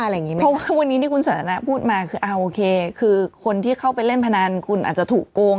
เพราะว่าวันนี้ที่คุณสันทนาพูดมาคือโอเคคือคนที่เข้าไปเล่นพนันคุณอาจจะถูกโกง